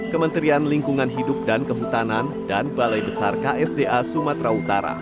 kementerian lingkungan hidup dan kehutanan dan balai besar ksda sumatera utara